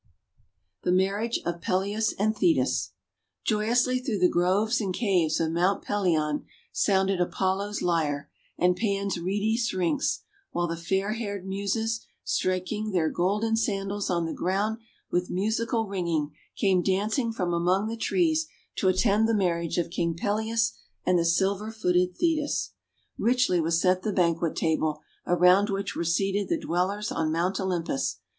THE MARRIAGE OF PELEUS AND THETIS JOYOUSLY through the groves and caves of Mount Pelion sounded Apollo's lyre, and Pan's reedy Syrinx, while the fair haired Muses, striking their golden sandals on the ground with musical ringing, came dancing from among the trees to attend the marriage of King Peleus and the silver footed Thetis. Richly was set the banquet table, around which were seated the Dwellers on Mount Olym pus.